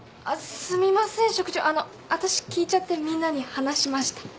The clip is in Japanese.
あっすみません職長あのわたし聞いちゃってみんなに話しました。